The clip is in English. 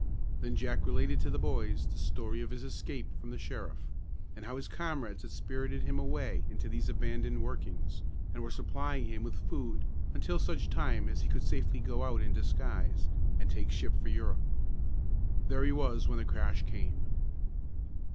Then Jack related to the boys the story of his escape from the sheriff, and how his comrades had spirited him away into these abandoned workings, and were supplying him with food until such time as he could safely go out in disguise, and take ship for Europe. There he was when the crash came.